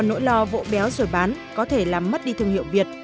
nỗi lo vỗ béo rồi bán có thể làm mất đi thương hiệu việt